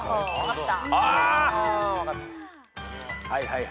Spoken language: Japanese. はい。